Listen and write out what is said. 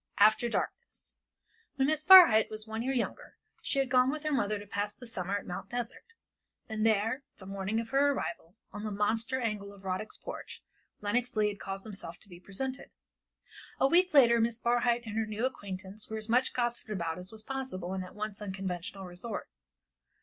AFTER DARKNESS. When Miss Barhyte was one year younger she had gone with her mother to pass the summer at Mt. Desert; and there, the morning of her arrival, on the monster angle of Rodick's porch, Lenox Leigh had caused himself to be presented. A week later Miss Barhyte and her new acquaintance were as much gossiped about as was possible in that once unconventional resort.